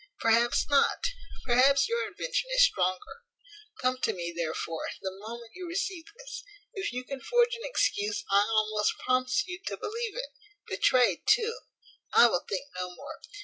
Perhaps not. Perhaps your invention is stronger. Come to me, therefore, the moment you receive this. If you can forge an excuse I almost promise you to believe it. Betrayed too I will think no more.